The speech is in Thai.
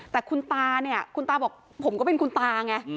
แต่คุณตาเนี่ยคุณตาบอกผมก็เป็นคุณตาไง